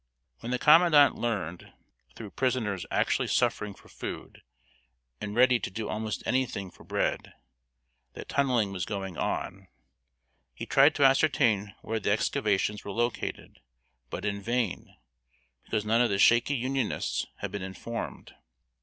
When the Commandant learned (through prisoners actually suffering for food, and ready to do almost any thing for bread) that tunneling was going on, he tried to ascertain where the excavations were located; but in vain, because none of the shaky Unionists had been informed.